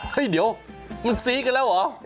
เฮ้ยเดี๋ยวมันซี้กันแล้วเหรอ